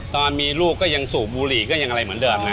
ตอนมีลูกก็ยังสูบบุหรี่ก็ยังอะไรเหมือนเดิมไง